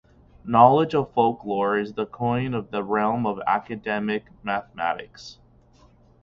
Knowledge of folklore is the coin of the realm of academic mathematics.